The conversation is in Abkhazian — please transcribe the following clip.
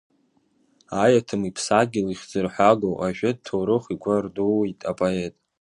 Аиаҭым иԥсадгьыл ихьӡырҳәагоу ажәытә ҭоурых игәы ардууеит апоет.